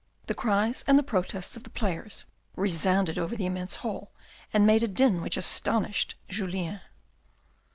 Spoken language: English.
The cries and the protests of the players resounded over the immense hall, and made a din which astonished Julien.